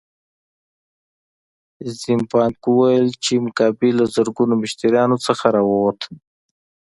زیمبانک وویل چې موګابي له زرګونو مشتریانو څخه راووت.